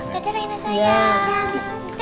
dadah naina sayang